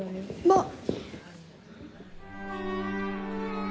まあ！